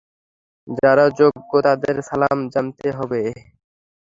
যারা যোগ্য তাদের সালাম জানাতে হবে।